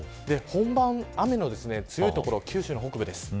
本番、雨の強い所九州の北部です。